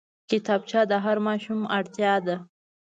کتابچه د هر ماشوم اړتيا ده